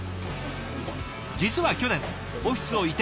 実は去年オフィスを移転。